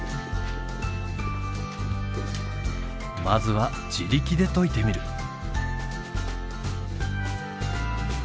まずは自力で解いてみる。